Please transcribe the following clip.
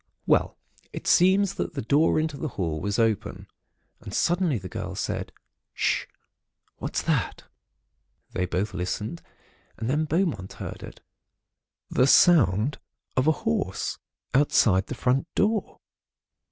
"Well, it seems that the door into the hall was open, and suddenly the girl said: 'S'ush! what's that?' "They both listened, and then Beaumont heard it—the sound of a horse, outside the front door.